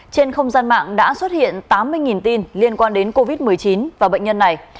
trên không gian mạng đã xuất hiện tám mươi tin liên quan đến covid một mươi chín và bệnh nhân này